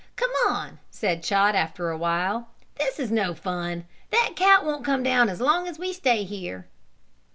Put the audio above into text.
"Come on," said Chot, after a while. "This is no fun. That cat won't come down as long as we stay here."